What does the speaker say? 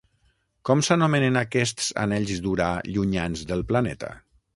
Com s'anomenen aquests anells d'Urà llunyans del planeta?